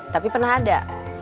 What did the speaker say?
tapi pernah ada